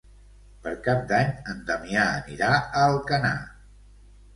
Per Cap d'Any en Damià anirà a Alcanar.